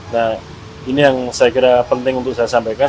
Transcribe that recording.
nah ini yang saya kira penting untuk saya sampaikan